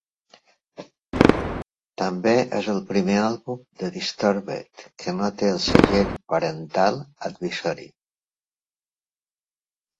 També és el primer àlbum de Disturbed que no té el segell Parental Advisory.